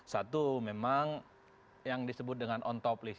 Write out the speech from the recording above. satu memang yang disebut dengan on top list